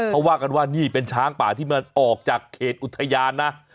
เขาว่ากันว่านี่เป็นช้างป่าที่มันออกจากเขตอุทยานนะ